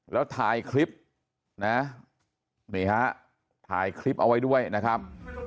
แล้วถ่ายคลิปนะนี่ฮะถ่ายคลิปเอาไว้ด้วยนะครับ